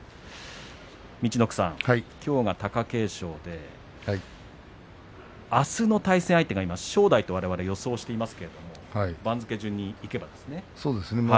陸奥さん、きょうが貴景勝であすの対戦相手が正代とわれわれ今予想していますけど普通にいけば。